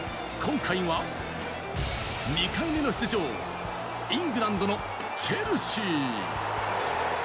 今回は２回目の出場、イングランドのチェルシー。